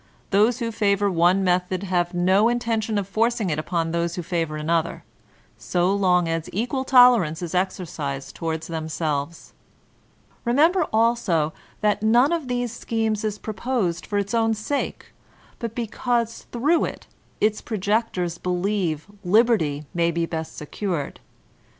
Those who favor one method have no inten tion of forcing it upon those who favor another, so long as equal tolerance is exercised toward themselves. Remember, also, that none of these schemes is pro posed for its own sake, but because through it, its pro jectors believe, liberty may be best secured.